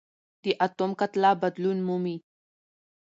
د اتوم کتله بدلون مومي.